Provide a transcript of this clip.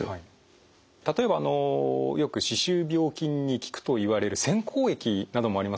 例えばよく歯周病菌に効くといわれる洗口液などもありますよね。